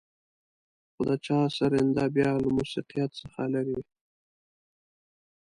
خو د چا سرېنده بيا له موسيقيت څخه لېرې.